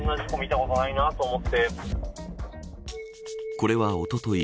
これはおととい